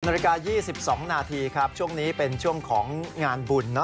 นาฬิกา๒๒นาทีครับช่วงนี้เป็นช่วงของงานบุญ